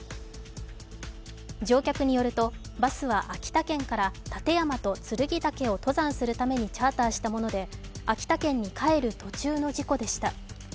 乗客によると、バスは秋田県から立山と剱岳を登山するためにチャーターしたもので秋田県に帰る途中の事故でした。